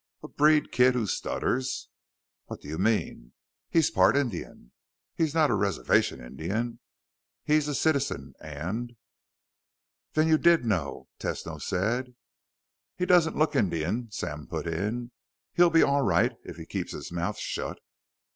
"A breed kid who stutters?" "What do you mean?" "He's part Indian." "He's not a reservation Indian. He's a citizen, and " "Then you did know," Tesno said. "He doesn't look Indian," Sam put in. "He'll be all right if he keeps his mouth shut."